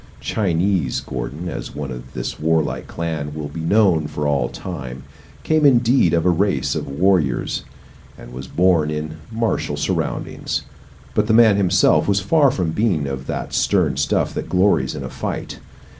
"Chinese" Gordon, as one of this warlike clan will be known for all time, came indeed of a race of warriors, and was born in martial surroundings; but the man himself was far from being of that stern stuff that glories in a fight.